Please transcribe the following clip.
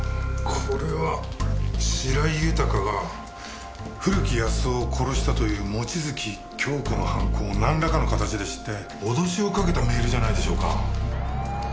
これは白井豊が古木保男を殺したという望月京子の犯行をなんらかの形で知って脅しをかけたメールじゃないでしょうか？